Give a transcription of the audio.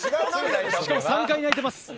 しかも、３回泣いてます。